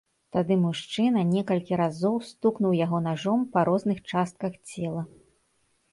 Тады мужчына некалькі разоў стукнуў яго нажом па розных частках цела.